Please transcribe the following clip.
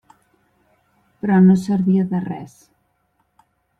Però no servia de res.